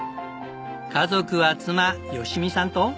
家族は妻佳巳さんと。